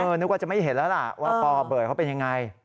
เออนึกว่าจะไม่เห็นแล้วล่ะว่าปเบิดเขาเป็นอย่างไร